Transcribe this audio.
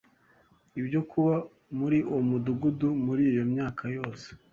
ibyo kuba muri uwo mudugudu muri iyo myaka yose